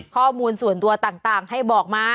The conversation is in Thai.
ข้อมูลส่วนตัวต่างให้บอกมา